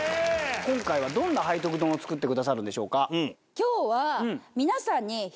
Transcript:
今回はどんな背徳丼を作ってくださるんでしょうか？